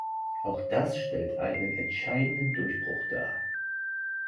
Auch das stellt einen entscheidenden Durchbruch dar.